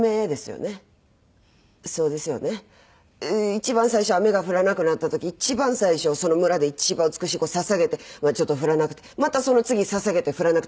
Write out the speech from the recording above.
一番最初雨が降らなくなった時一番最初その村で一番美しい子捧げてまあちょっと降らなくてまたその次捧げて降らなくて。